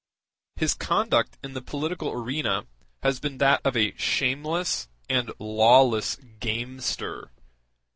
His conduct in the political arena has been that of a shameless and lawless gamester.